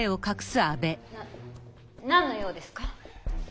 ななんの用ですか？